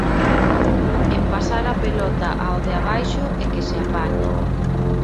En pasar a pelota ao de abaixo e que se apañe.